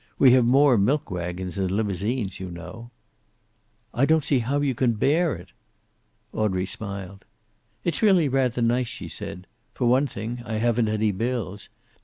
"We have more milk wagons than limousines, you know." "I don't see how you can bear it." Audrey smiled. "It's really rather nice," she said. "For one thing, I haven't any bills.